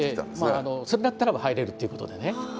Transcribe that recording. まああのそれだったらば入れるっていうことでね。